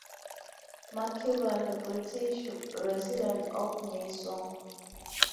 Mark Cubbon, the British Resident of Mysore.